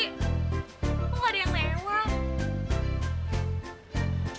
kok gak ada yang mewah